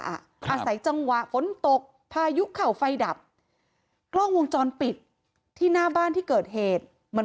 อาศัยจังหวะฝนตกพายุเข่าไฟดับกล้องวงจรปิดที่หน้าบ้านที่เกิดเหตุมัน